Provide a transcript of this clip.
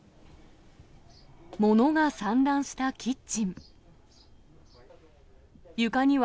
物が散乱したキッチン。